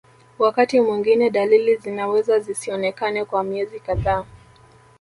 Wakati mwingine dalili zinaweza zisionekane kwa miezi kadhaa